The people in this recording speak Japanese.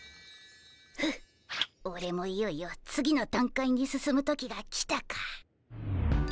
フッオレもいよいよ次の段階に進む時が来たか。